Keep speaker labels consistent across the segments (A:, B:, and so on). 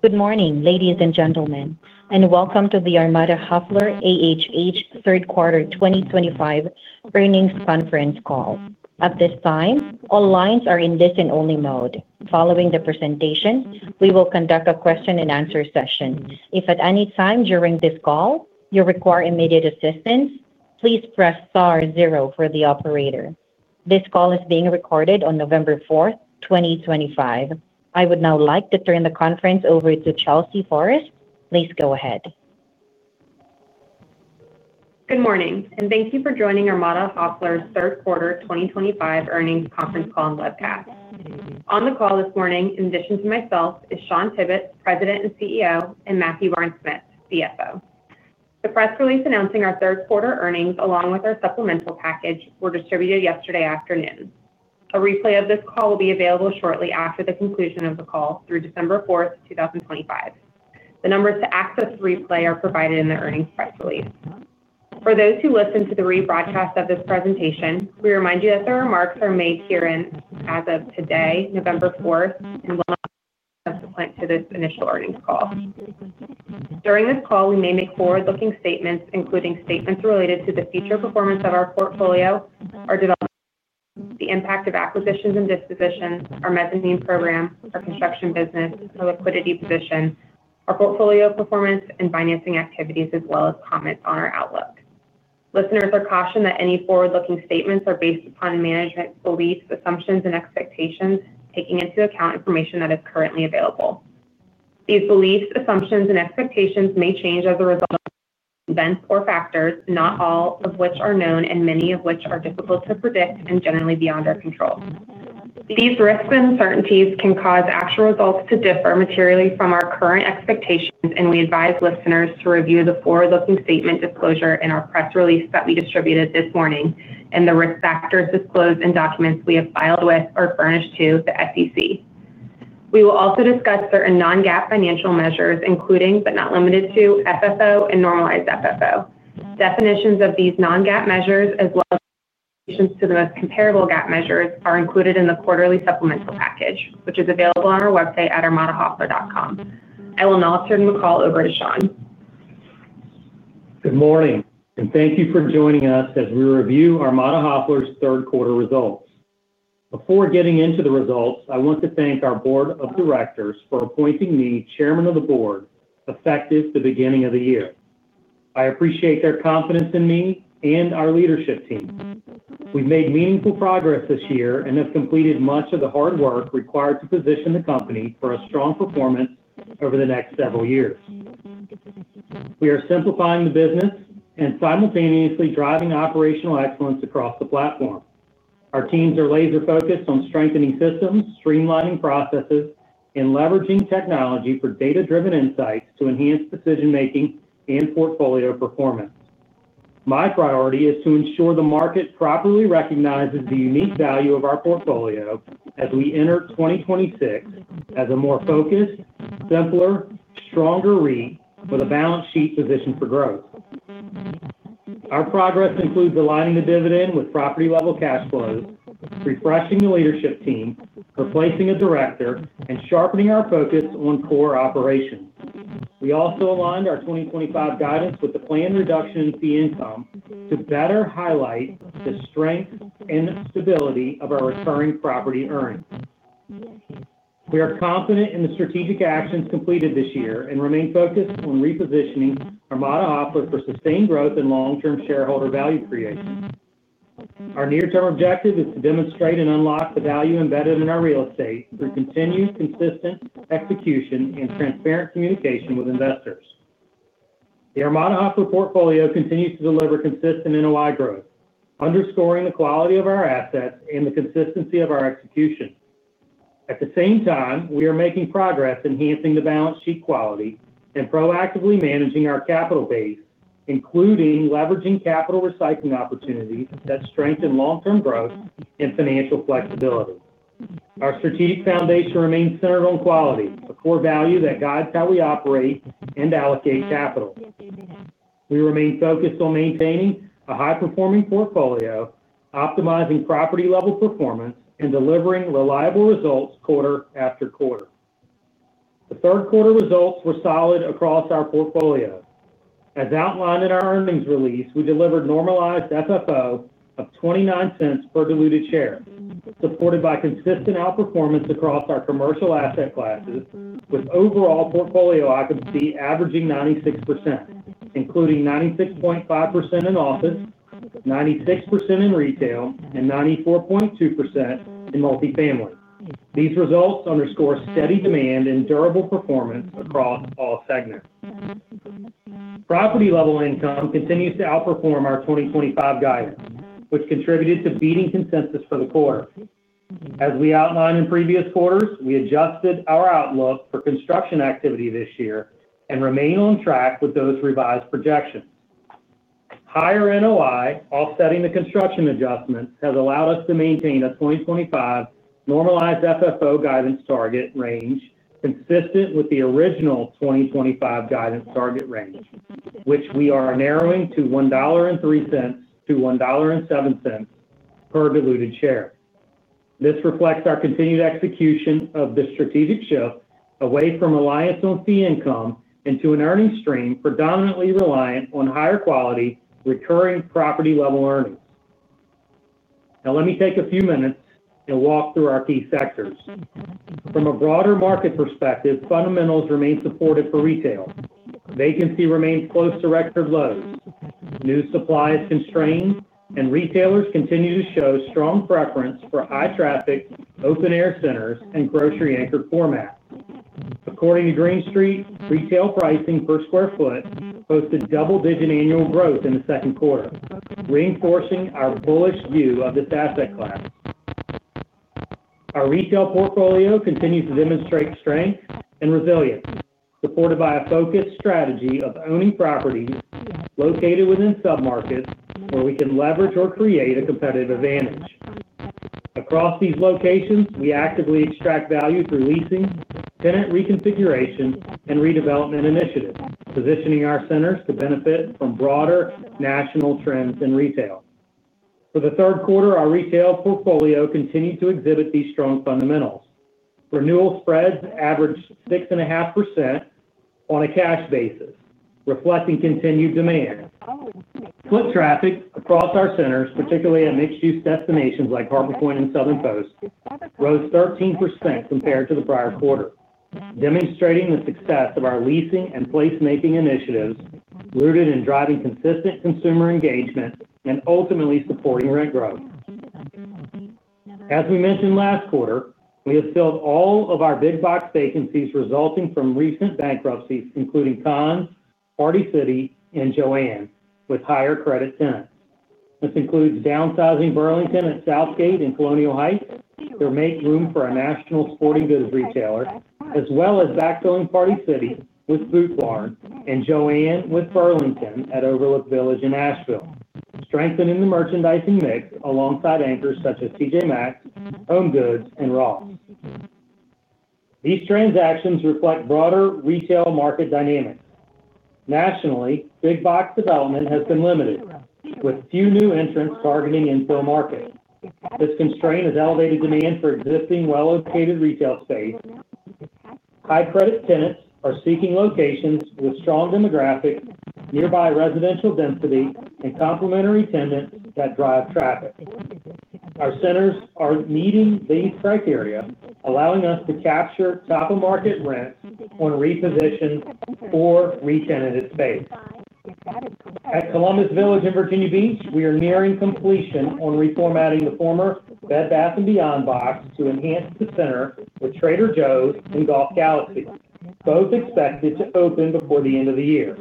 A: Good morning, ladies and gentlemen, and welcome to the Armada Hoffler AHH Third Quarter 2025 Earnings Conference Call. At this time, all lines are in listen-only mode. Following the presentation, we will conduct a question-and-answer session. If at any time during this call you require immediate assistance, please press star zero for the operator. This call is being recorded on November 4th, 2025. I would now like to turn the conference over to Chelsea Forrest. Please go ahead.
B: Good morning, and thank you for joining Armada Hoffler's Third Quarter 2025 Earnings Conference Call and Webcast. On the call this morning, in addition to myself, is Shawn Tibbetts, President and CEO, and Matthew Barnes-Smith, CFO. The press release announcing our third quarter earnings, along with our supplemental package, were distributed yesterday afternoon. A replay of this call will be available shortly after the conclusion of the call through December 4th, 2025. The numbers to access the replay are provided in the earnings press release. For those who listen to the rebroadcast of this presentation, we remind you that the remarks are made here and as of today, November 4th, and will not be subsequent to this initial earnings call. During this call, we may make forward-looking statements, including statements related to the future performance of our portfolio, our development, the impact of acquisitions and dispositions, our mezzanine program, our construction business, our liquidity position, our portfolio performance, and financing activities, as well as comments on our outlook. Listeners are cautioned that any forward-looking statements are based upon management's beliefs, assumptions, and expectations, taking into account information that is currently available. These beliefs, assumptions, and expectations may change as a result of events or factors, not all of which are known and many of which are difficult to predict and generally beyond our control. These risks and uncertainties can cause actual results to differ materially from our current expectations, and we advise listeners to review the forward-looking statement disclosure in our press release that we distributed this morning and the risk factors disclosed in documents we have filed with or furnished to the SEC. We will also discuss certain non-GAAP financial measures, including but not limited to FFO and normalized FFO. Definitions of these non-GAAP measures, as well as definitions to the most comparable GAAP measures, are included in the quarterly supplemental package, which is available on our website at armadahoffler.com. I will now turn the call over to Shawn.
C: Good morning, and thank you for joining us as we review Armada Hoffler's third quarter results. Before getting into the results, I want to thank our Board of Directors for appointing me Chairman of the Board effective the beginning of the year. I appreciate their confidence in me and our leadership team. We've made meaningful progress this year and have completed much of the hard work required to position the company for a strong performance over the next several years. We are simplifying the business and simultaneously driving operational excellence across the platform. Our teams are laser-focused on strengthening systems, streamlining processes, and leveraging technology for data-driven insights to enhance decision-making and portfolio performance. My priority is to ensure the market properly recognizes the unique value of our portfolio as we enter 2025 as a more focused, simpler, stronger REIT with a balance sheet positioned for growth. Our progress includes aligning the dividend with property-level cash flows, refreshing the leadership team, replacing a director, and sharpening our focus on core operations. We also aligned our 2025 guidance with the planned reduction in fee income to better highlight the strength and stability of our recurring property earnings. We are confident in the strategic actions completed this year and remain focused on repositioning Armada Hoffler for sustained growth and long-term shareholder value creation. Our near-term objective is to demonstrate and unlock the value embedded in our real estate through continued, consistent execution and transparent communication with investors. The Armada Hoffler portfolio continues to deliver consistent NOI growth, underscoring the quality of our assets and the consistency of our execution. At the same time, we are making progress enhancing the balance sheet quality and proactively managing our capital base, including leveraging capital recycling opportunities that strengthen long-term growth and financial flexibility. Our strategic foundation remains centered on quality, a core value that guides how we operate and allocate capital. We remain focused on maintaining a high-performing portfolio, optimizing property-level performance, and delivering reliable results quarter after quarter. The third quarter results were solid across our portfolio. As outlined in our earnings release, we delivered normalized FFO of $0.29 per diluted share, supported by consistent outperformance across our commercial asset classes, with overall portfolio occupancy averaging 96%, including 96.5% in office, 96% in retail, and 94.2% in multifamily. These results underscore steady demand and durable performance across all segments. Property-level income continues to outperform our 2025 guidance, which contributed to beating consensus for the quarter. As we outlined in previous quarters, we adjusted our outlook for construction activity this year and remain on track with those revised projections. Higher NOI, offsetting the construction adjustments, has allowed us to maintain a 2025 normalized FFO guidance target range consistent with the original 2025 guidance target range, which we are narrowing to $1.03-$1.07 per diluted share. This reflects our continued execution of the strategic shift away from reliance on fee income into an earnings stream predominantly reliant on higher-quality recurring property-level earnings. Now, let me take a few minutes and walk through our key sectors. From a broader market perspective, fundamentals remain supportive for retail. Vacancy remains close to record lows. New supply is constrained, and retailers continue to show strong preference for high-traffic, open-air centers, and grocery-anchored formats. According to Green Street, retail pricing per square foot posted double-digit annual growth in the second quarter, reinforcing our bullish view of this asset class. Our retail portfolio continues to demonstrate strength and resilience, supported by a focused strategy of owning properties located within submarkets where we can leverage or create a competitive advantage. Across these locations, we actively extract value through leasing, tenant reconfiguration, and redevelopment initiatives, positioning our centers to benefit from broader national trends in retail. For the third quarter, our retail portfolio continued to exhibit these strong fundamentals. Renewal spreads averaged 6.5%. On a cash basis, reflecting continued demand. Foot traffic across our centers, particularly at mixed-use destinations like Harbor Point and Southern Post, rose 13% compared to the prior quarter, demonstrating the success of our leasing and place-making initiatives rooted in driving consistent consumer engagement and ultimately supporting rent growth. As we mentioned last quarter, we have filled all of our big-box vacancies resulting from recent bankruptcies, including Conn's, Party City, and Joann, with higher credit tenants. This includes downsizing Burlington at Southgate and Colonial Heights to make room for a national sporting goods retailer, as well as backfilling Party City with Boot Barn and Joann with Burlington at Overlook Village in Asheville, strengthening the merchandising mix alongside anchors such as T.J. Maxx, HomeGoods, and Ross. These transactions reflect broader retail market dynamics. Nationally, big-box development has been limited, with few new entrants targeting infill markets. This constraint has elevated demand for existing well-located retail space. High-credit tenants are seeking locations with strong demographics, nearby residential density, and complementary tenants that drive traffic. Our centers are meeting these criteria, allowing us to capture top-of-market rents on repositioned or re-tenanted space. At Columbus Village in Virginia Beach, we are nearing completion on reformatting the former Bed Bath & Beyond box to enhance the center with Trader Joe's and Golf Galaxy, both expected to open before the end of the year.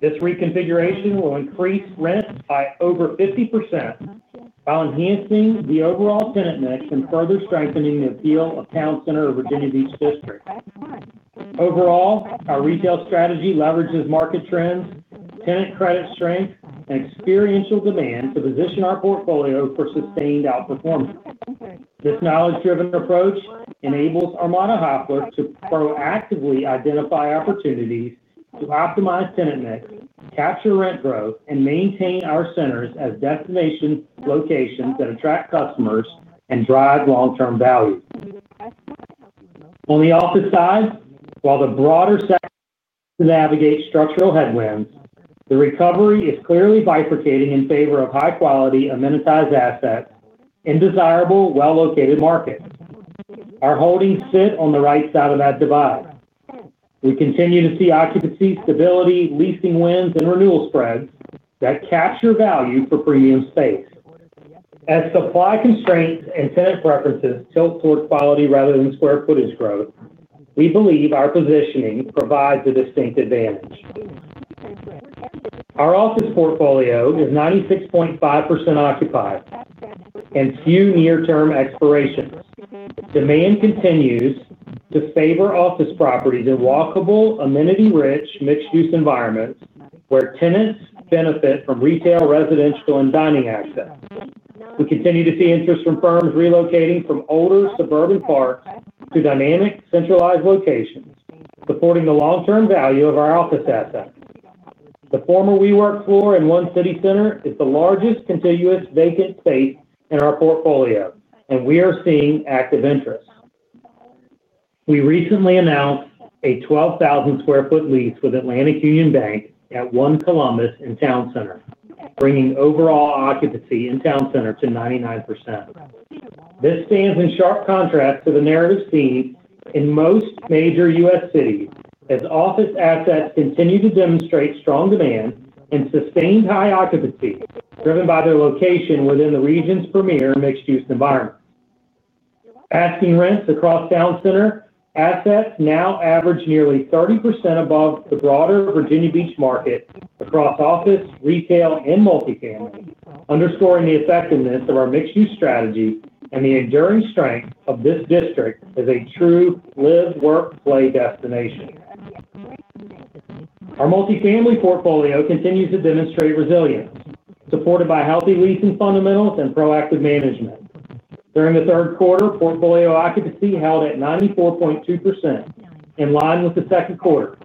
C: This reconfiguration will increase rents by over 50%, while enhancing the overall tenant mix and further strengthening the appeal of Town Center of Virginia Beach District. Overall, our retail strategy leverages market trends, tenant credit strength, and experiential demand to position our portfolio for sustained outperformance. This knowledge-driven approach enables Armada Hoffler to proactively identify opportunities to optimize tenant mix, capture rent growth, and maintain our centers as destination locations that attract customers and drive long-term value. On the office side, while the broader sector is to navigate structural headwinds, the recovery is clearly bifurcating in favor of high-quality amenitized assets in desirable, well-located markets. Our holdings sit on the right side of that divide. We continue to see occupancy, stability, leasing wins, and renewal spreads that capture value for premium space. As supply constraints and tenant preferences tilt toward quality rather than square footage growth, we believe our positioning provides a distinct advantage. Our office portfolio is 96.5% occupied and few near-term expirations. Demand continues to favor office properties in walkable, amenity-rich, mixed-use environments where tenants benefit from retail, residential, and dining access. We continue to see interest from firms relocating from older suburban parks to dynamic, centralized locations, supporting the long-term value of our office assets. The former WeWork floor in One City Center is the largest continuous vacant space in our portfolio, and we are seeing active interest. We recently announced a 12,000 sq ft lease with Atlantic Union Bank at One Columbus in Town Center, bringing overall occupancy in Town Center to 99%. This stands in sharp contrast to the narrative seen in most major U.S. cities, as office assets continue to demonstrate strong demand and sustained high occupancy, driven by their location within the region's premier mixed-use environment. Asking rents across Town Center assets now average nearly 30% above the broader Virginia Beach market across office, retail, and multifamily, underscoring the effectiveness of our mixed-use strategy and the enduring strength of this district as a true live, work, play destination. Our multifamily portfolio continues to demonstrate resilience, supported by healthy leasing fundamentals and proactive management. During the third quarter, portfolio occupancy held at 94.2%, in line with the second quarter.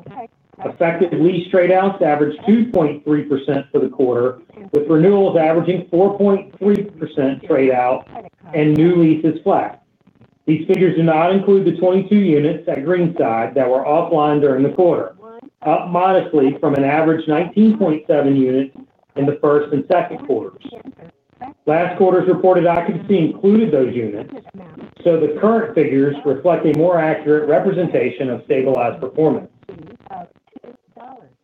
C: Effective lease trade-outs averaged 2.3% for the quarter, with renewals averaging 4.3% trade out and new leases flat. These figures do not include the 22 units at Greenside that were offline during the quarter, up modestly from an average 19.7 units in the first and second quarters. Last quarter's reported occupancy included those units, so the current figures reflect a more accurate representation of stabilized performance.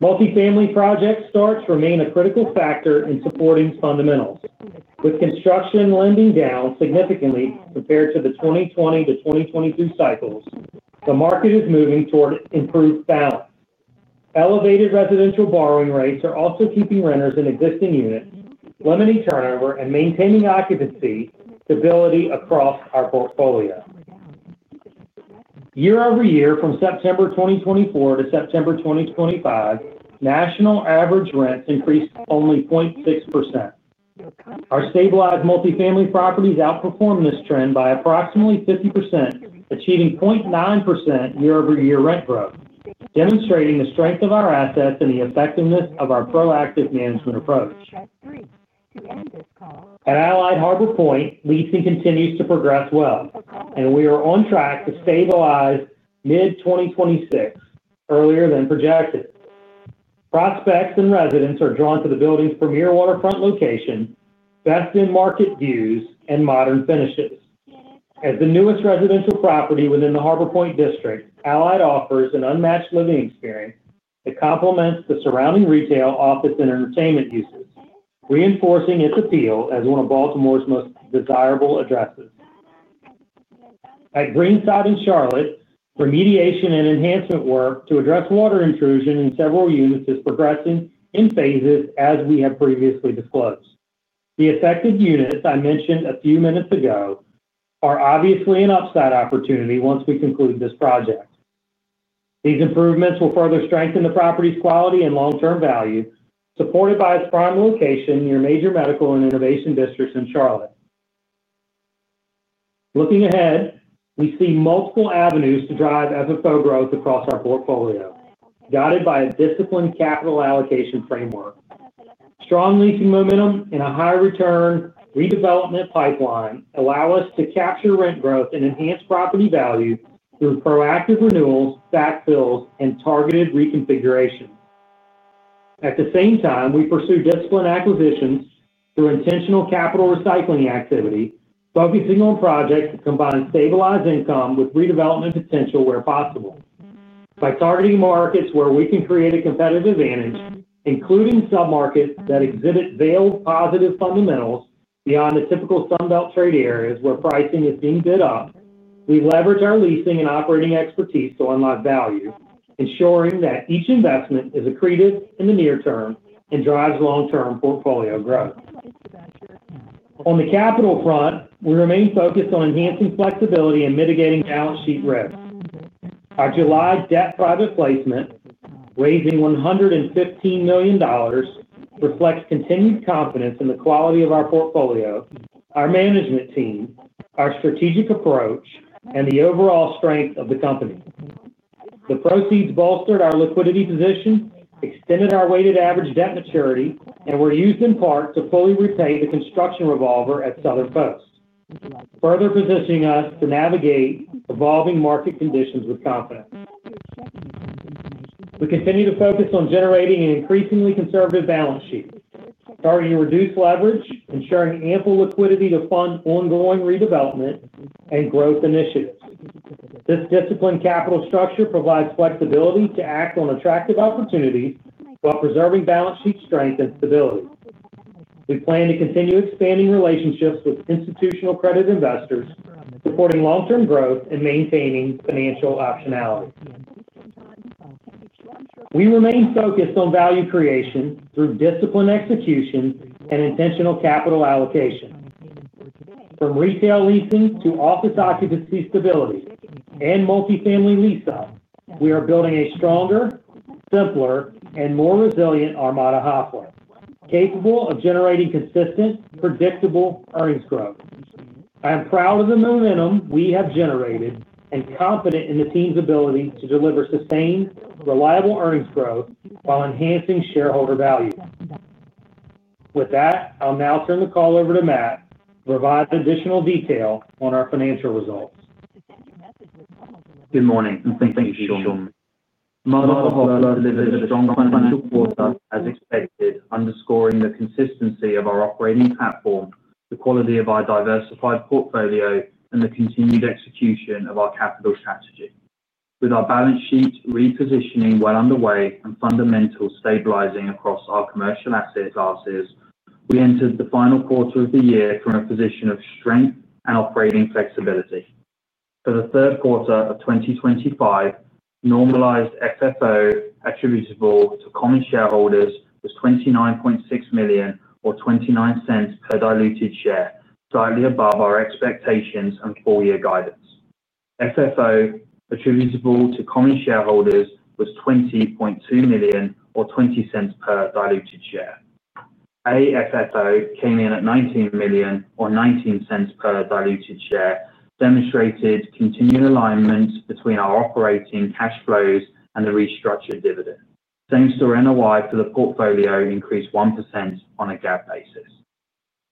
C: Multifamily project starts remain a critical factor in supporting fundamentals. With construction lending down significantly compared to the 2020 to 2022 cycles, the market is moving toward improved balance. Elevated residential borrowing rates are also keeping renters in existing units, limiting turnover, and maintaining occupancy stability across our portfolio. Year-over-year, from September 2024 to September 2025, national average rents increased only 0.6%. Our stabilized multifamily properties outperformed this trend by approximately 50%, achieving 0.9% year-over-year rent growth, demonstrating the strength of our assets and the effectiveness of our proactive management approach. At Allied Harbor Point, leasing continues to progress well, and we are on track to stabilize mid-2026 earlier than projected. Prospects and residents are drawn to the building's premier waterfront location, best-in-market views, and modern finishes. As the newest residential property within the Harbor Point District, Allied offers an unmatched living experience that complements the surrounding retail, office, and entertainment uses, reinforcing its appeal as one of Baltimore's most desirable addresses. At Greenside in Charlotte, remediation and enhancement work to address water intrusion in several units is progressing in phases, as we have previously disclosed. The affected units I mentioned a few minutes ago are obviously an upside opportunity once we conclude this project. These improvements will further strengthen the property's quality and long-term value, supported by its prime location near major medical and innovation districts in Charlotte. Looking ahead, we see multiple avenues to drive FFO growth across our portfolio, guided by a disciplined capital allocation framework. Strong leasing momentum and a high-return redevelopment pipeline allow us to capture rent growth and enhance property value through proactive renewals, backfills, and targeted reconfiguration. At the same time, we pursue disciplined acquisitions through intentional capital recycling activity, focusing on projects that combine stabilized income with redevelopment potential where possible. By targeting markets where we can create a competitive advantage, including submarkets that exhibit veiled positive fundamentals beyond the typical Sunbelt trade areas where pricing is being bid up, we leverage our leasing and operating expertise to unlock value, ensuring that each investment is accretive in the near term and drives long-term portfolio growth. On the capital front, we remain focused on enhancing flexibility and mitigating balance sheet risk. Our July debt private placement, raising $115 million, reflects continued confidence in the quality of our portfolio, our management team, our strategic approach, and the overall strength of the company. The proceeds bolstered our liquidity position, extended our weighted average debt maturity, and were used in part to fully repay the construction revolver at Southern Post, further positioning us to navigate evolving market conditions with confidence. We continue to focus on generating an increasingly conservative balance sheet, targeting reduced leverage, ensuring ample liquidity to fund ongoing redevelopment and growth initiatives. This disciplined capital structure provides flexibility to act on attractive opportunities while preserving balance sheet strength and stability. We plan to continue expanding relationships with institutional credit investors, supporting long-term growth and maintaining financial optionality. We remain focused on value creation through disciplined execution and intentional capital allocation. From retail leasing to office occupancy stability and multifamily lease-ups, we are building a stronger, simpler, and more resilient Armada Hoffler, capable of generating consistent, predictable earnings growth. I am proud of the momentum we have generated and confident in the team's ability to deliver sustained, reliable earnings growth while enhancing shareholder value. With that, I'll now turn the call over to Matt to provide additional detail on our financial results.
D: Good morning. Thank you, Shawn. Armada Hoffler delivered a strong financial quarter as expected, underscoring the consistency of our operating platform, the quality of our diversified portfolio, and the continued execution of our capital strategy. With our balance sheet repositioning well underway and fundamentals stabilizing across our commercial asset classes, we entered the final quarter of the year from a position of strength and operating flexibility. For the third quarter of 2025, normalized FFO attributable to common shareholders was $29.6 million, or $0.29 per diluted share, slightly above our expectations and four-year guidance. FFO attributable to common shareholders was $20.2 million, or $0.20 per diluted share. AFFO came in at $19 million, or $0.19 per diluted share, demonstrating continued alignment between our operating cash flows and the restructured dividend. Same-store, NOI for the portfolio increased 1% on a GAAP basis.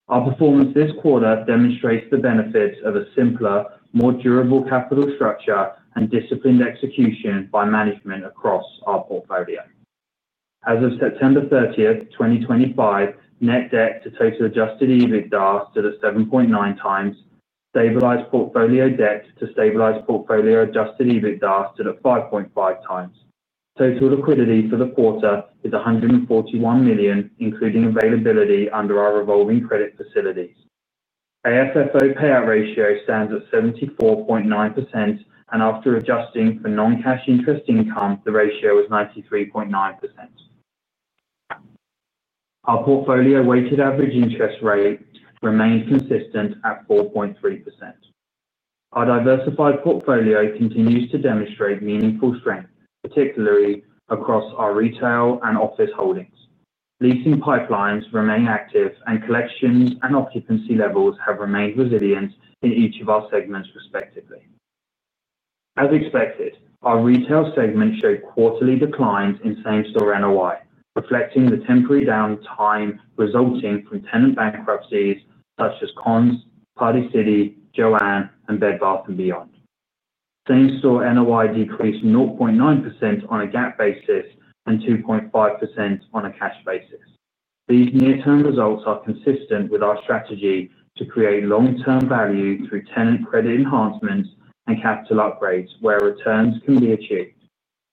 D: Our performance this quarter demonstrates the benefits of a simpler, more durable capital structure and disciplined execution by management across our portfolio. As of September 30th, 2025, net debt to total adjusted EBITDA stood at 7.9x. Stabilized portfolio debt to stabilized portfolio adjusted EBITDA stood at 5.5x. Total liquidity for the quarter is $141 million, including availability under our revolving credit facilities. AFFO payout ratio stands at 74.9%, and after adjusting for non-cash interest income, the ratio is 93.9%. Our portfolio weighted average interest rate remained consistent at 4.3%. Our diversified portfolio continues to demonstrate meaningful strength, particularly across our retail and office holdings. Leasing pipelines remain active, and collections and occupancy levels have remained resilient in each of our segments, respectively. As expected, our retail segment showed quarterly declines in same-store NOI, reflecting the temporary downtime resulting from tenant bankruptcies such as Conn's, Party City, Joann, and Bed Bath & Beyond. Same-store NOI decreased 0.9% on a GAAP basis and 2.5% on a cash basis. These near-term results are consistent with our strategy to create long-term value through tenant credit enhancements and capital upgrades where returns can be achieved.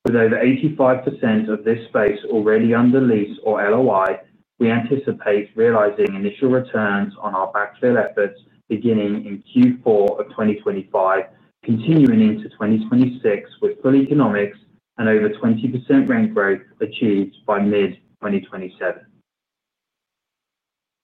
D: With over 85% of this space already under lease or LOI, we anticipate realizing initial returns on our backfill efforts beginning in Q4 of 2025, continuing into 2026 with full economics and over 20% rent growth achieved by mid-2027.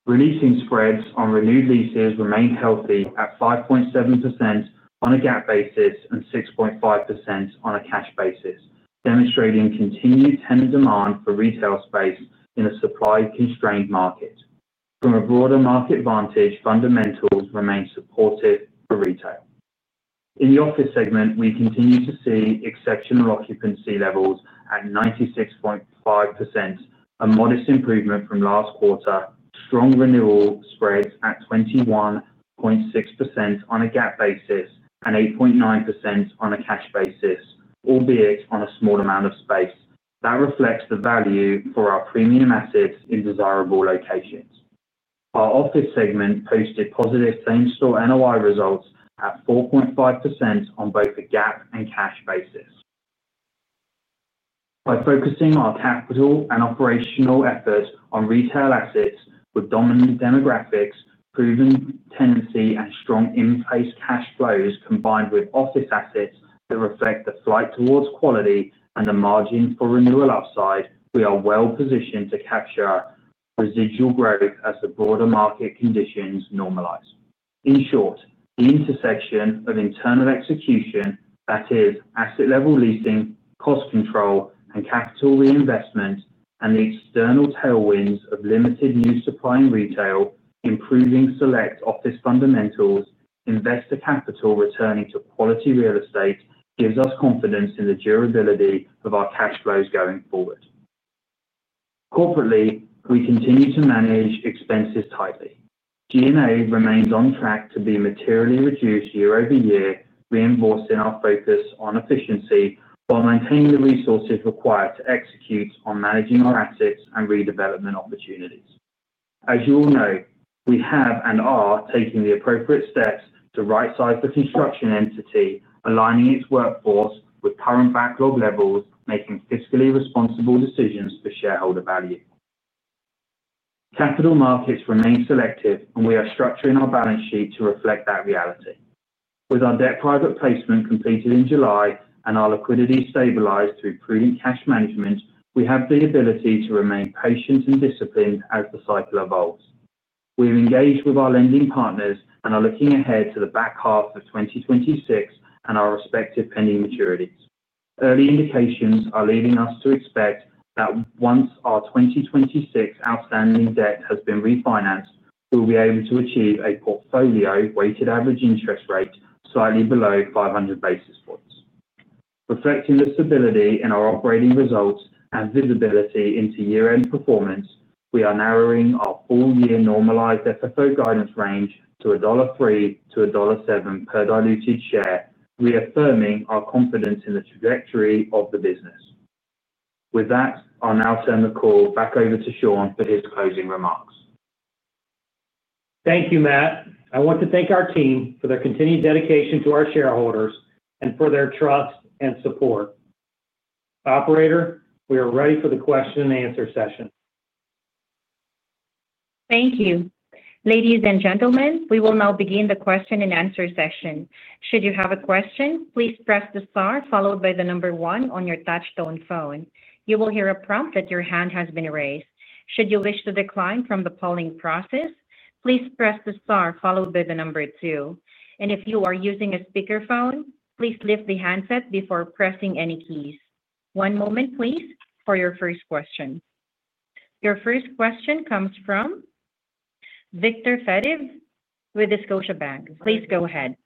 D: Releasing spreads on renewed leases remain healthy at 5.7% on a GAAP basis and 6.5% on a cash basis, demonstrating continued tenant demand for retail space in a supply-constrained market. From a broader market vantage, fundamentals remain supportive for retail. In the office segment, we continue to see exceptional occupancy levels at 96.5%, a modest improvement from last quarter, strong renewal spreads at 21.6% on a GAAP basis and 8.9% on a cash basis, albeit on a small amount of space. That reflects the value for our premium assets in desirable locations. Our office segment posted positive same-store NOI results at 4.5% on both the GAAP and cash basis. By focusing our capital and operational efforts on retail assets with dominant demographics, proven tenancy, and strong in-place cash flows combined with office assets that reflect the flight towards quality and the margin for renewal upside, we are well positioned to capture residual growth as the broader market conditions normalize. In short, the intersection of internal execution, that is, asset-level leasing, cost control, and capital reinvestment, and the external tailwinds of limited new supply in retail, improving select office fundamentals, investor capital returning to quality real estate, gives us confidence in the durability of our cash flows going forward. Corporately, we continue to manage expenses tightly. G&A remains on track to be materially reduced year-over-year, reinforcing our focus on efficiency while maintaining the resources required to execute on managing our assets and redevelopment opportunities. As you all know, we have and are taking the appropriate steps to right-size the construction entity, aligning its workforce with current backlog levels, making fiscally responsible decisions for shareholder value. Capital markets remain selective, and we are structuring our balance sheet to reflect that reality. With our debt private placement completed in July and our liquidity stabilized through prudent cash management, we have the ability to remain patient and disciplined as the cycle evolves. We are engaged with our lending partners and are looking ahead to the back half of 2026 and our respective pending maturities. Early indications are leading us to expect that once our 2026 outstanding debt has been refinanced, we will be able to achieve a portfolio weighted average interest rate slightly below 500 basis points. Reflecting the stability in our operating results and visibility into year-end performance, we are narrowing our four-year normalized FFO guidance range to $1.03-$1.07 per diluted share, reaffirming our confidence in the trajectory of the business. With that, I'll now turn the call back over to Shawn for his closing remarks.
C: Thank you, Matt. I want to thank our team for their continued dedication to our shareholders and for their trust and support. Operator, we are ready for the question-and-answer session.
A: Thank you. Ladies and gentlemen, we will now begin the question-and-answer session. Should you have a question, please press the star followed by the number one on your touchstone phone. You will hear a prompt that your hand has been raised. Should you wish to decline from the polling process, please press the star followed by the number two. If you are using a speakerphone, please lift the handset before pressing any keys. One moment, please, for your first question. Your first question comes from Viktor Fediv with Scotiabank. Please go ahead.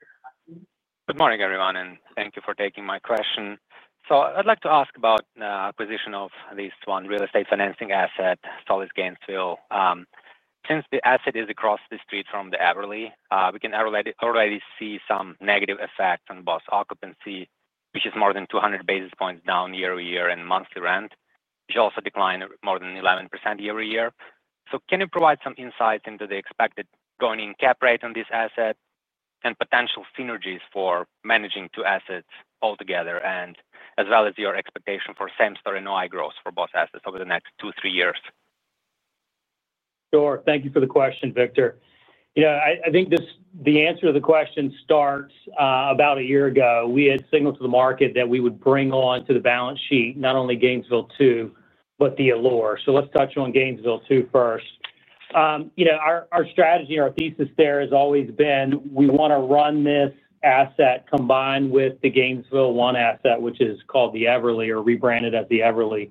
E: Good morning, everyone, and thank you for taking my question. I'd like to ask about the acquisition of this one real estate financing asset, Solis Gainesville. Since the asset is across the street from the Everly, we can already see some negative effects on Everly's occupancy, which is more than 200 basis points down year-over-year in monthly rent, which also declined more than 11% year-over-year. Can you provide some insights into the expected going-in cap rate on this asset and potential synergies for managing two assets altogether, as well as your expectation for same-store NOI growth for both assets over the next two, three years?
C: Sure. Thank you for the question, Viktor. I think the answer to the question starts about a year ago. We had signaled to the market that we would bring onto the balance sheet not only Gainesville II, but the Allure. Let's touch on Gainesville II first. Our strategy and our thesis there has always been we want to run this asset combined with the Gainesville I asset, which is called the Everly or rebranded as The Everly.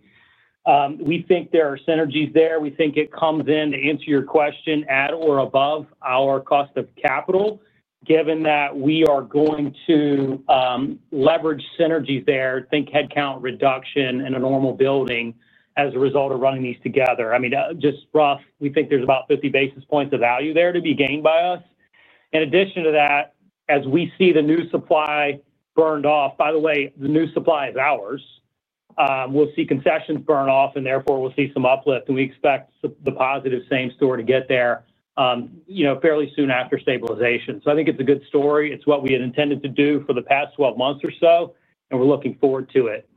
C: We think there are synergies there. We think it comes in, to answer your question, at or above our cost of capital, given that we are going to leverage synergies there, think headcount reduction and a normal building as a result of running these together. I mean, just rough, we think there's about 50 basis points of value there to be gained by us. In addition to that, as we see the new supply burned off, by the way, the new supply is ours. We'll see concessions burn off, and therefore, we'll see some uplift. And we expect the positive same-store to get there fairly soon after stabilization. I think it's a good story. It's what we had intended to do for the past 12 months or so, and we're looking forward to it.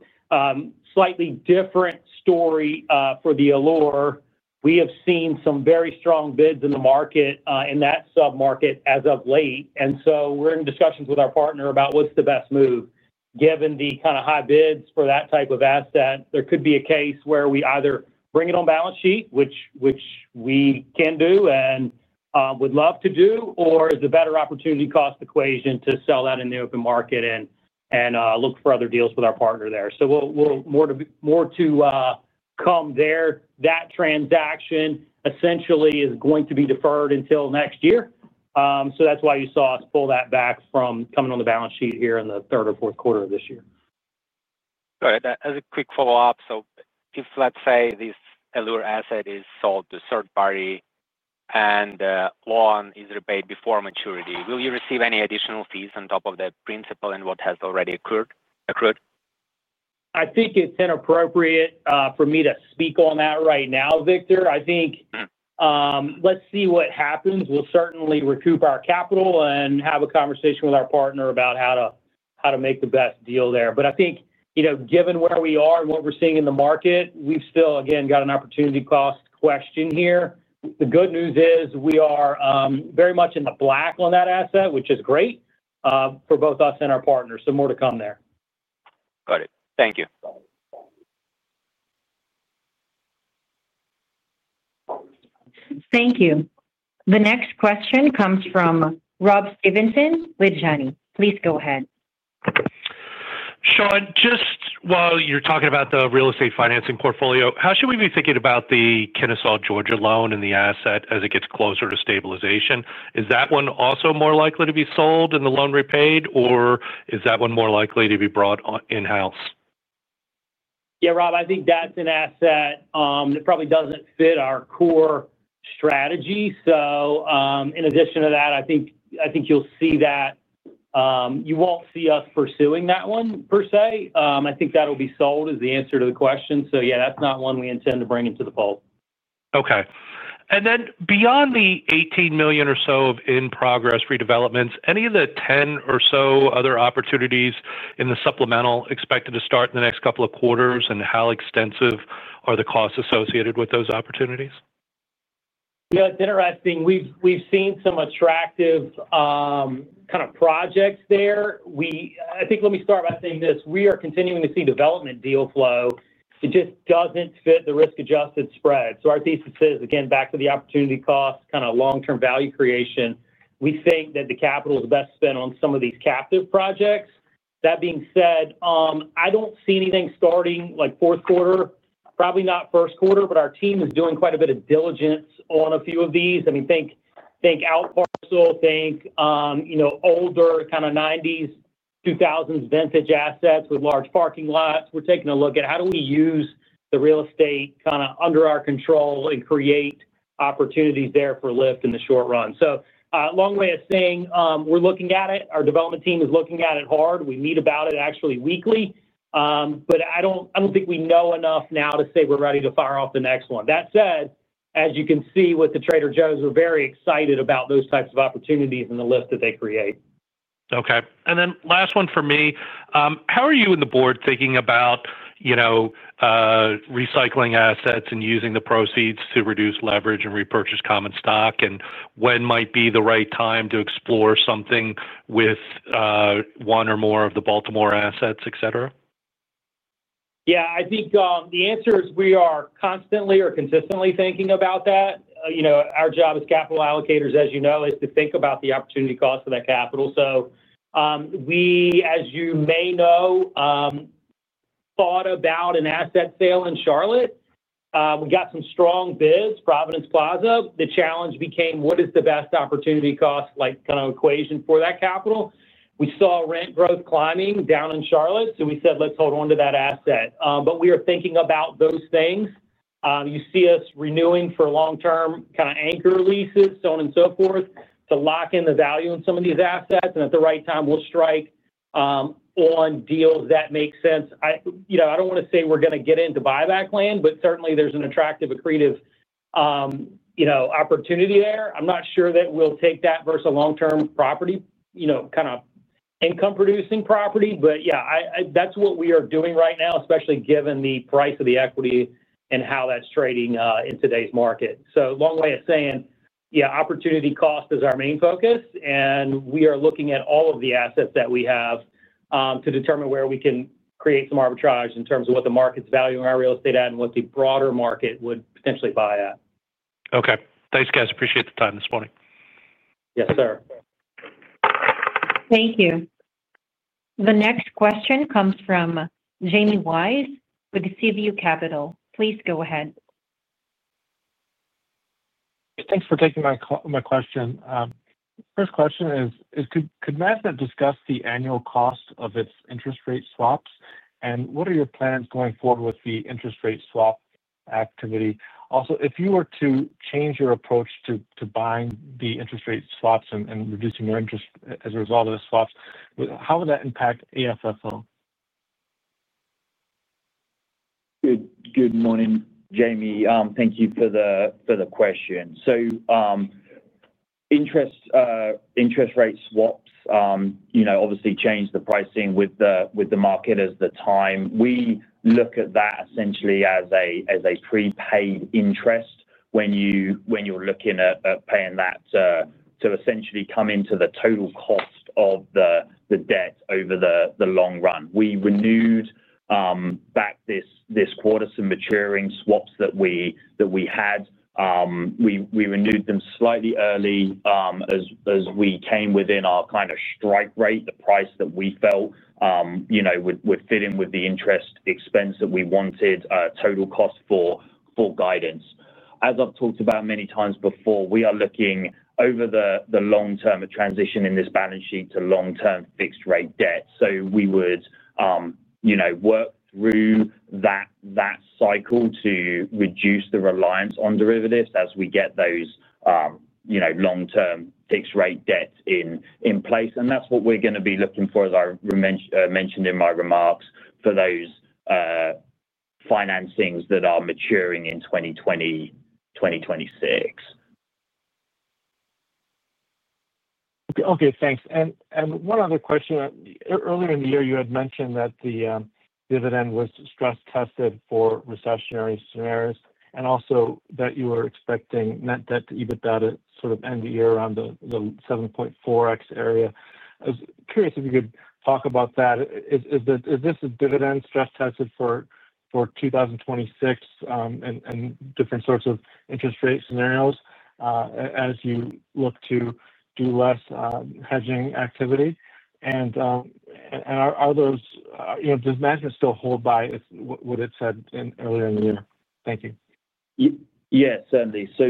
C: Slightly different story for the Allure. We have seen some very strong bids in the market in that sub-market as of late. And we're in discussions with our partner about what's the best move. Given the kind of high bids for that type of asset, there could be a case where we either bring it on balance sheet, which we can do and would love to do, or it's a better opportunity cost equation to sell that in the open market and look for other deals with our partner there. More to come there. That transaction essentially is going to be deferred until next year. That's why you saw us pull that back from coming on the balance sheet here in the third or fourth quarter of this year.
E: All right. As a quick follow-up, if, let's say, this Allure asset is sold to a third-party and the loan is repaid before maturity, will you receive any additional fees on top of the principal and what has already accrued?
C: I think it's inappropriate for me to speak on that right now, Viktor. I think let's see what happens. We'll certainly recoup our capital and have a conversation with our partner about how to make the best deal there. But I think given where we are and what we're seeing in the market, we've still, again, got an opportunity cost question here. The good news is we are very much in the black on that asset, which is great for both us and our partner. More to come there.
E: Got it. Thank you.
A: Thank you. The next question comes from Rob Stevenson with Janney. Please go ahead.
F: Shawn, just while you're talking about the real estate financing portfolio, how should we be thinking about the Kennesaw, Georgia loan and the asset as it gets closer to stabilization? Is that one also more likely to be sold and the loan repaid, or is that one more likely to be brought in-house?
C: Yeah, Rob, I think that's an asset that probably doesn't fit our core strategy. In addition to that, I think you'll see that. You won't see us pursuing that one, per se. I think that'll be sold as the answer to the question. Yeah, that's not one we intend to bring into the fold.
F: Okay. Beyond the $18 million or so of in-progress redevelopments, any of the 10 or so other opportunities in the supplemental expected to start in the next couple of quarters, and how extensive are the costs associated with those opportunities?
C: Yeah, it's interesting. We've seen some attractive kind of projects there. I think let me start by saying this: we are continuing to see development deal flow. It just doesn't fit the risk-adjusted spread. Our thesis is, again, back to the opportunity cost, kind of long-term value creation. We think that the capital is best spent on some of these captive projects. That being said, I don't see anything starting like fourth quarter, probably not first quarter, but our team is doing quite a bit of diligence on a few of these. I mean, think outparcel, think older kind of 1990s, 2000s vintage assets with large parking lots. We're taking a look at how do we use the real estate kind of under our control and create opportunities there for lift in the short run. Long way of saying, we're looking at it. Our development team is looking at it hard. We meet about it actually weekly. But I don't think we know enough now to say we're ready to fire off the next one. That said, as you can see with the Trader Joe's, we're very excited about those types of opportunities and the lift that they create.
F: Okay. Last one for me. How are you and the Board thinking about recycling assets and using the proceeds to reduce leverage and repurchase common stock, and when might be the right time to explore something with one or more of the Baltimore assets, etc.?
C: Yeah, I think the answer is we are constantly or consistently thinking about that. Our job as capital allocators, as you know, is to think about the opportunity cost of that capital. We, as you may know, thought about an asset sale in Charlotte. We got some strong bids, Providence Plaza. The challenge became what is the best opportunity cost kind of equation for that capital. We saw rent growth climbing down in Charlotte, so we said, "Let's hold on to that asset." We are thinking about those things. You see us renewing for long-term kind of anchor leases, so on and so forth, to lock in the value in some of these assets. At the right time, we'll strike on deals that make sense. I don't want to say we're going to get into buyback land, but certainly, there's an attractive, accretive opportunity there. I'm not sure that we'll take that versus a long-term property, kind of income-producing property. Yeah, that's what we are doing right now, especially given the price of the equity and how that's trading in today's market. Long way of saying, yeah, opportunity cost is our main focus, and we are looking at all of the assets that we have to determine where we can create some arbitrage in terms of what the market's valuing our real estate at and what the broader market would potentially buy at.
F: Okay. Thanks, guys. Appreciate the time this morning.
C: Yes, sir.
A: Thank you. The next question comes from Jamie Wise with CVU Capital. Please go ahead.
G: Thanks for taking my question. First question is, could Matt discuss the annual cost of its interest rate swaps, and what are your plans going forward with the interest rate swap activity? Also, if you were to change your approach to buying the interest rate swaps and reducing your interest as a result of the swaps, how would that impact AFFO?
D: Good morning, Jamie. Thank you for the question. Interest rate swaps obviously change the pricing with the market as the time. We look at that essentially as a prepaid interest when you're looking at paying that to essentially come into the total cost of the debt over the long run. We renewed back this quarter some maturing swaps that we had. We renewed them slightly early as we came within our kind of strike rate, the price that we felt would fit in with the interest expense that we wanted, total cost for guidance. As I've talked about many times before, we are looking over the long term of transition in this balance sheet to long-term fixed-rate debt. We would work through that cycle to reduce the reliance on derivatives as we get those long-term fixed-rate debts in place. That's what we're going to be looking for, as I mentioned in my remarks, for those financings that are maturing in 2020, 2026.
G: Okay, thanks. And one other question. Earlier in the year, you had mentioned that the dividend was stress tested for recessionary scenarios, and also that you were expecting net debt-to-EBITDA even sort of end the year around the 7.4x area. I was curious if you could talk about that. Is this a dividend stress tested for. 2026 and different sorts of interest rate scenarios. As you look to do less hedging activity? Are those—does management still hold by what it said earlier in the year? Thank you.
D: Yes, certainly. So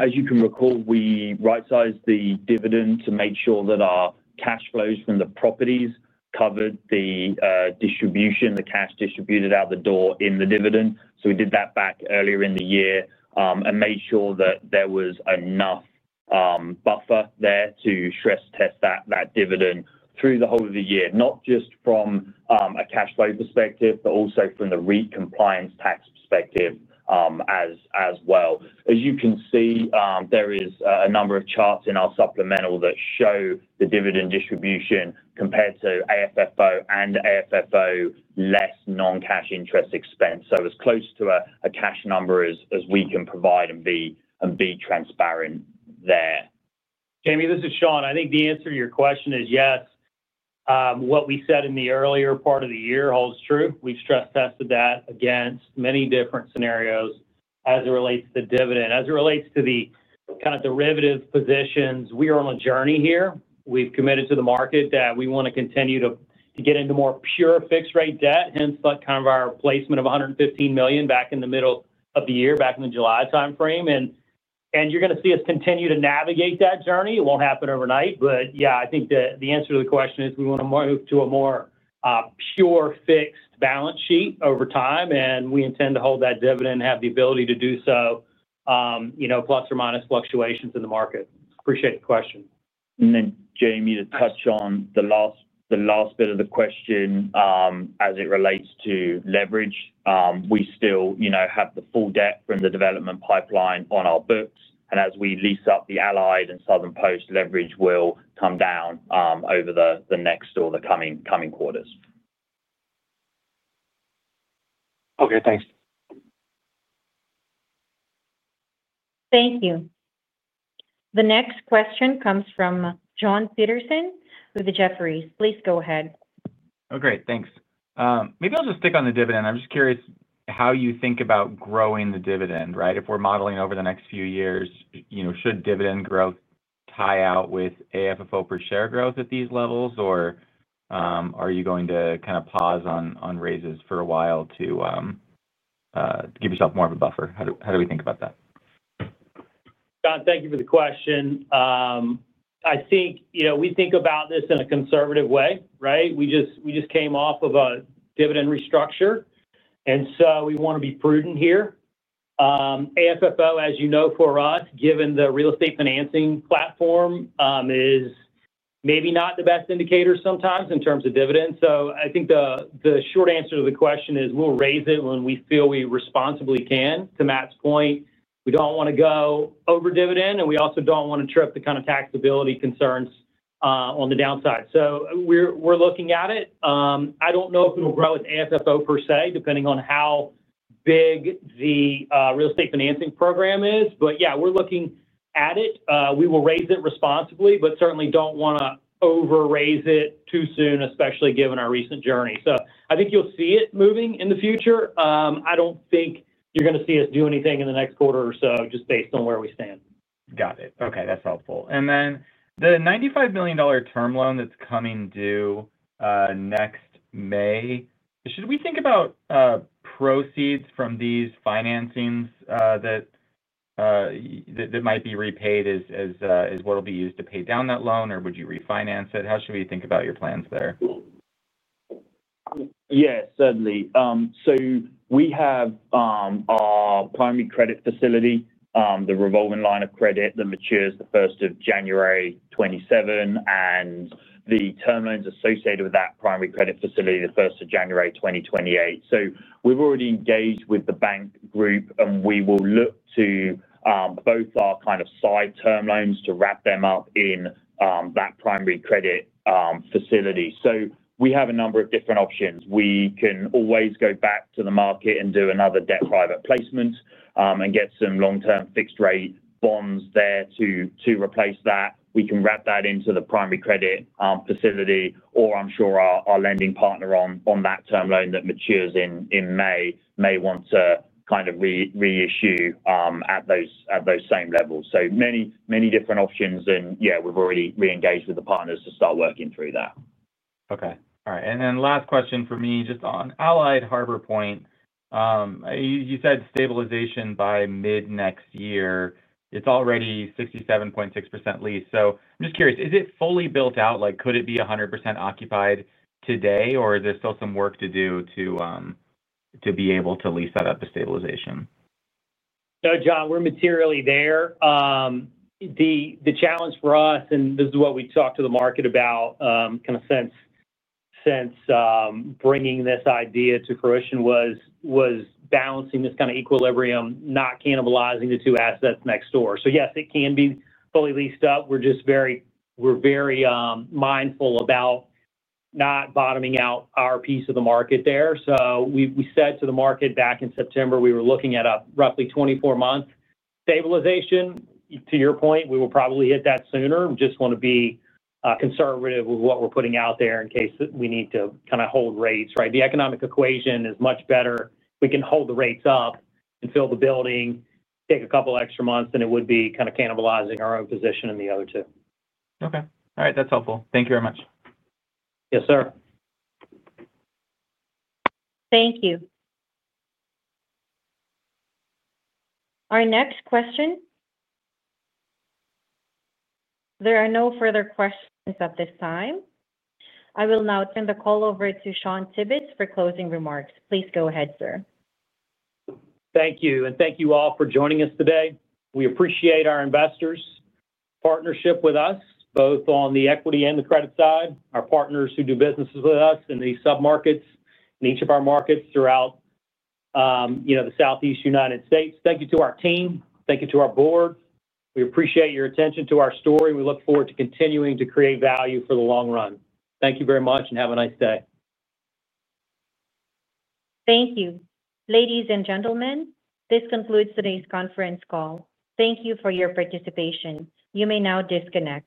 D: as you can recall, we right-sized the dividend to make sure that our cash flows from the properties covered the distribution, the cash distributed out the door in the dividend. So we did that back earlier in the year and made sure that there was enough buffer there to stress test that dividend through the whole of the year, not just from a cash flow perspective, but also from the REIT compliance tax perspective as well. As you can see, there is a number of charts in our supplemental that show the dividend distribution compared to AFFO and AFFO less non-cash interest expense. So it's close to a cash number as we can provide and be transparent there.
C: Jamie, this is Shawn. I think the answer to your question is yes. What we said in the earlier part of the year holds true. We've stress tested that against many different scenarios as it relates to dividend. As it relates to the kind of derivative positions, we are on a journey here. We've committed to the market that we want to continue to get into more pure fixed-rate debt, hence kind of our placement of $115 million back in the middle of the year, back in the July timeframe. You're going to see us continue to navigate that journey. It won't happen overnight, but yeah, I think the answer to the question is we want to move to a more pure fixed balance sheet over time, and we intend to hold that dividend and have the ability to do so. Plus or minus fluctuations in the market. Appreciate the question.
D: Then, Jamie, to touch on the last bit of the question as it relates to leverage, we still have the full debt from the development pipeline on our books. As we lease up the Allied and Southern Post, leverage will come down over the next or the coming quarters.
G: Okay, thanks.
A: Thank you. The next question comes from Jon Petersen with Jefferies. Please go ahead.
H: Oh, great. Thanks. Maybe I'll just stick on the dividend. I'm just curious how you think about growing the dividend, right? If we're modeling over the next few years, should dividend growth tie out with AFFO per share growth at these levels, or are you going to kind of pause on raises for a while to give yourself more of a buffer? How do we think about that?
C: Jon, thank you for the question. I think we think about this in a conservative way, right? We just came off of a dividend restructure, and so we want to be prudent here. AFFO, as you know, for us, given the real estate financing platform, is maybe not the best indicator sometimes in terms of dividends. I think the short answer to the question is we'll raise it when we feel we responsibly can. To Matt's point, we don't want to go over dividend, and we also don't want to trip the kind of taxability concerns on the downside. We're looking at it. I don't know if it'll grow with AFFO per se, depending on how big the real estate financing program is. But yeah, we're looking at it. We will raise it responsibly, but certainly don't want to over-raise it too soon, especially given our recent journey. I think you'll see it moving in the future. I don't think you're going to see us do anything in the next quarter or so, just based on where we stand.
H: Got it. Okay. That's helpful. And then the $95 million term loan that's coming due next May, should we think about proceeds from these financings that might be repaid as what will be used to pay down that loan, or would you refinance it? How should we think about your plans there?
D: Yeah, certainly. We have our primary credit facility, the revolving line of credit that matures the 1st of January 2027, and the term loans associated with that primary credit facility, the 1st of January 2028. We've already engaged with the bank group, and we will look to both our kind of side term loans to wrap them up in that primary credit facility. We have a number of different options. We can always go back to the market and do another debt private placement and get some long-term fixed-rate bonds there to replace that. We can wrap that into the primary credit facility, or I'm sure our lending partner on that term loan that matures in May may want to kind of reissue at those same levels. Many different options, and yeah, we've already reengaged with the partners to start working through that.
H: Okay. All right. And then last question for me, just on Allied Harbor Point. You said stabilization by mid-next year. It's already 67.6% lease. I'm just curious, is it fully built out? Could it be 100% occupied today, or is there still some work to do to be able to lease that up to stabilization?
C: No, Jon, we're materially there. The challenge for us, and this is what we talked to the market about kind of since bringing this idea to fruition, was balancing this kind of equilibrium, not cannibalizing the two assets next door. Yes, it can be fully leased up. We're very mindful about not bottoming out our piece of the market there. We said to the market back in September, we were looking at a roughly 24-month stabilization. To your point, we will probably hit that sooner. We just want to be conservative with what we're putting out there in case we need to kind of hold rates, right? The economic equation is much better. We can hold the rates up and fill the building, take a couple of extra months, and it would be kind of cannibalizing our own position in the other two.
H: Okay. All right. That's helpful. Thank you very much.
C: Yes, sir.
A: Thank you. Our next question. There are no further questions at this time. I will now turn the call over to Shawn Tibbetts for closing remarks. Please go ahead, sir.
C: Thank you. Thank you all for joining us today. We appreciate our investors' partnership with us, both on the equity and the credit side, our partners who do business with us in the submarkets and each of our markets throughout the Southeast United States. Thank you to our team. Thank you to our Board. We appreciate your attention to our story. We look forward to continuing to create value for the long run. Thank you very much, and have a nice day.
A: Thank you. Ladies and gentlemen, this concludes today's conference call. Thank you for your participation. You may now disconnect.